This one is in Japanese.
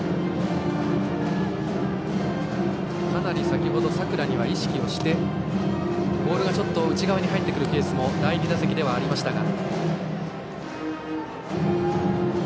先程、佐倉には意識をしてボールが内側に入ってくるケースも第２打席ではありましたが。